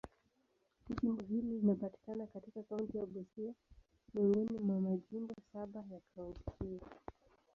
Jimbo hili linapatikana katika kaunti ya Busia, miongoni mwa majimbo saba ya kaunti hiyo.